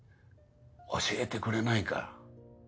教えてくれないか。